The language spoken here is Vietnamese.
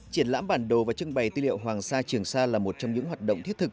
triển lãm bản đồ và trưng bày tư liệu hoàng sa trường sa là một trong những hoạt động thiết thực